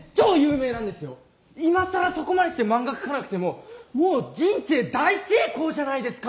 今更そこまでして漫画描かなくてももう人生大成功じゃないですか！